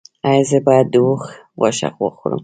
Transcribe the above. ایا زه باید د اوښ غوښه وخورم؟